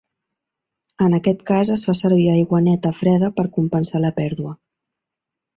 En aquest cas es fa servir aigua neta freda per compensar la pèrdua.